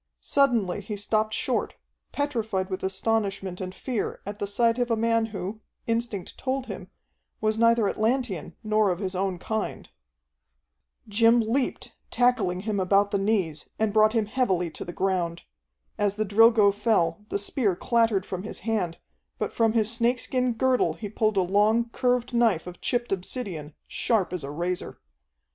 Suddenly he stopped short, petrified with astonishment and fear at the sight of a man who, instinct told him, was neither Atlantean nor of his own kind. Jim leaped, tackling him about the knees, and brought him heavily to the ground. As the Drilgo fell, the spear clattered from his hand, but from his snakeskin girdle he pulled a long, curved knife of chipped obsidian, sharp as a razor.